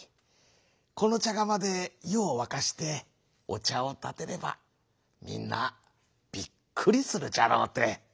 このちゃがまでゆをわかしておちゃをたてればみんなびっくりするじゃろうて。